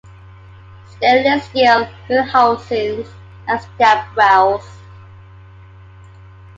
Stainless steel wheel housings and stepwells.